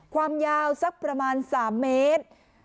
ความยาวสักประมาณ๓เมตร